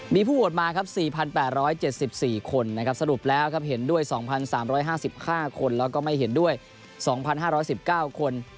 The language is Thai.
มีผู้โหวตมาครับ๔๘๗๔คนนะครับสรุปแล้วครับเห็นด้วย๒๓๕๕คนแล้วก็ไม่เห็นด้วย๒๕๑๙คน